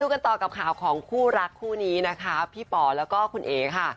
กันต่อกับข่าวของคู่รักคู่นี้นะคะพี่ป๋อแล้วก็คุณเอ๋ค่ะ